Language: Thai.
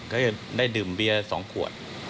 ก็จะได้ดื่มเบียร์๒ขวด